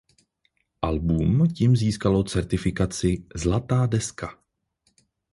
Album tím získalo certifikaci zlatá deska.